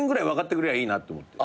くれりゃいいなと思って。